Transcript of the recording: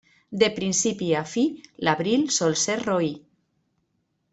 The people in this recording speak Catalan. De principi a fi, l'abril sol ser roí.